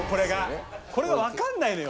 これがわかんないのよ。